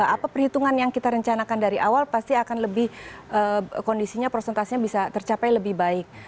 apa perhitungan yang kita rencanakan dari awal pasti akan lebih kondisinya prosentasenya bisa tercapai lebih baik